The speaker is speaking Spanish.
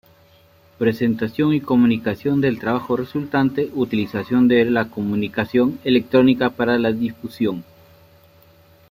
Presentación y comunicación del trabajo resultante: Utilización de la comunicación electrónica para la difusión.